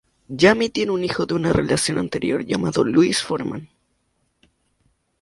Jamie tiene un hijo de una relación anterior llamado Louis Foreman.